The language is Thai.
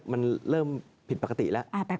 มันเริ่มผิดปกติแล้ว